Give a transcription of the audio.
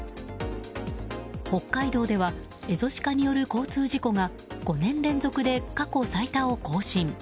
北海道ではエゾシカによる交通事故が５年連続で過去最多を更新。